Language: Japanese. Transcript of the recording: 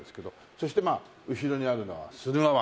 そしてまあ後ろにあるのは駿河湾。